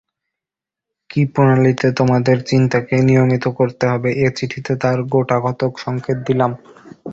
কি প্রণালীতে তোমাদের চিন্তাকে নিয়মিত করতে হবে, এ চিঠিতে তার গোটাকতক সঙ্কেত দিলাম।